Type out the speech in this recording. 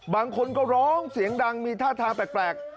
บางคนก็ร้องเสียงดังมีท่าทางแปลก